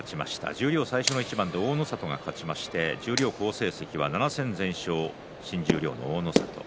十両最初の一番の大の里が勝ちまして十両好成績は７戦全勝大の里。